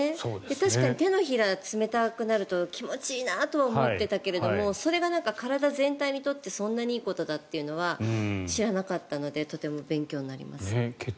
確かに手のひらが冷たくなると気持ちいいなとは思っていたけどそれが体全体にとってそんなにいいことだというのは知らなかったのでとても勉強になります。